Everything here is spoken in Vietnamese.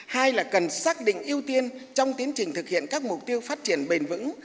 hai là cần xác định ưu tiên trong tiến trình thực hiện các mục tiêu phát triển bền vững